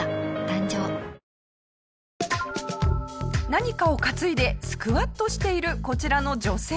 何かを担いでスクワットしているこちらの女性。